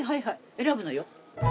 選ぶのよ。